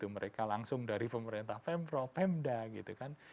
mereka langsung dari pemerintah pemprov pemda gitu kan